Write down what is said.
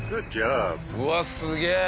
うわっすげえ！